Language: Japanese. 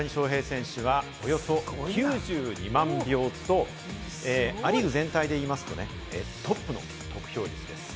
大谷翔平選手はおよそ９２万票とア・リーグ全体で言いますと、トップの得票です。